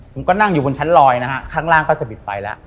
ผมก็นั่งอยู่บนชั้นลอยนะฮะข้างล่างก็จะบิดไฟแล้ว